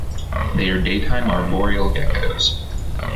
They are daytime arboreal geckos.